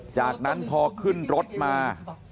จากนั้นพอขึ้นรถมา